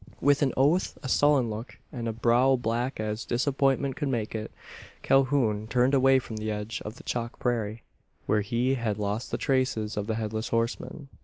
With an oath, a sullen look, and a brow black as disappointment could make it, Calhoun turned away from the edge of the chalk prairie, where he had lost the traces of the Headless Horseman.